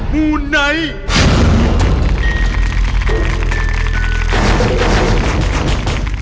มูไนท์